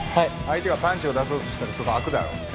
相手がパンチを出そうとしたらそこ空くだろ？